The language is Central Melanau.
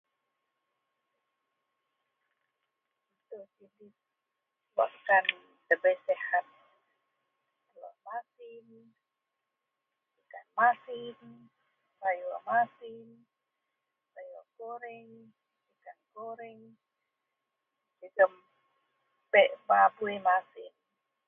Wakkan dabei sihat, Wak masin, jekan masin, sayur masin, bei wak goreng, ikan goreng jegum pek baboi masin.